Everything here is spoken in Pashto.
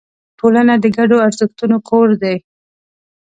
ټولنه د ګډو ارزښتونو کور دی.